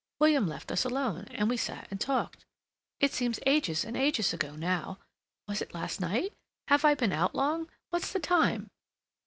William left us alone, and we sat and talked. It seems ages and ages ago, now. Was it last night? Have I been out long? What's the time?"